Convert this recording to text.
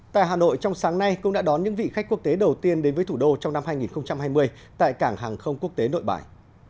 tại hà nội trong sáng nay cũng đã đón những vị khách quốc tế đầu tiên đến với thủ đô trong năm hai nghìn hai mươi tại cảng hàng không quốc tế nội bài